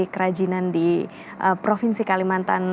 kerajinan di provinsi kalimantan